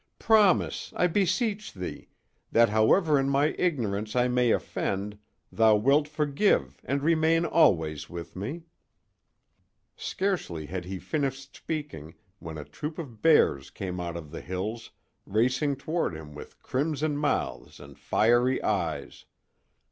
Promise, I beseech thee, that however in my ignorance I may offend, thou wilt forgive and remain always with me." Scarcely had he finished speaking when a troop of bears came out of the hills, racing toward him with crimson mouths and fiery eyes.